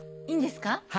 いいんですか？